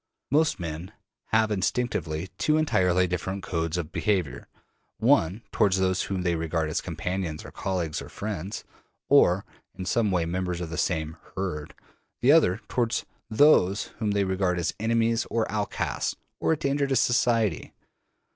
Most men have instinctively two entirely different codes of behavior: one toward those whom they regard as companions or colleagues or friends, or in some way members of the same ``herd''; the other toward those whom they regard as enemies or outcasts or a danger to society.